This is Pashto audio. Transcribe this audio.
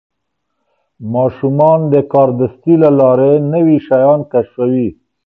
ماشومان د کاردستي له لارې نوي شیان کشفوي.